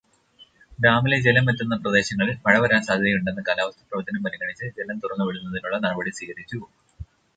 ഡാമിലെ ജലം എത്തുന്ന പ്രദേശങ്ങളില് മഴ വരാന് സാധ്യതയുണ്ടെന്ന കാലാവസ്ഥാ പ്രവചനം പരിഗണിച്ച് ജലം തുറന്നുവിടുന്നതിനുള്ള നടപടി സ്വീകരിച്ചു.